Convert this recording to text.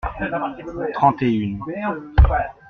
Trente et une.